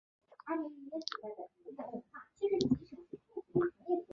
什叶派十二伊玛目派主要集中在霍姆斯。